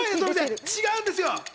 違うんですよ。